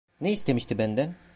Ne istemişti benden?